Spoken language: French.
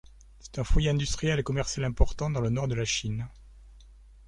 C'est un foyer industriel et commercial important dans le nord de la Chine.